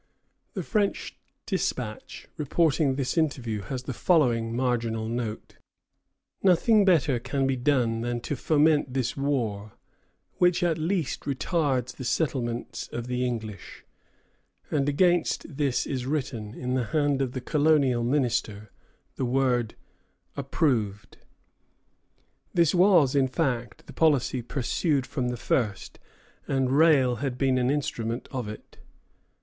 The French despatch reporting this interview has the following marginal note: "Nothing better can be done than to foment this war, which at least retards the settlements of the English;" and against this is written, in the hand of the colonial minister, the word "Approved." This was, in fact, the policy pursued from the first, and Rale had been an instrument of it.